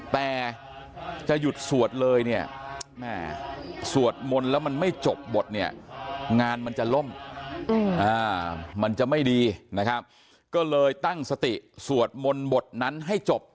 แต่จะหยุดสวดเลยสวดมนตรีแล้วไม่จบบทงานจะล้มจะไม่ดีก็เลยตั้งสติสวดมนตรีบทนั้นให้จบ